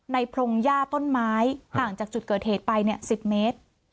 ในพรงหญ้าต้นไม้ต่างจากจุดเกิดเหตุไปเนี่ยสิบเมตร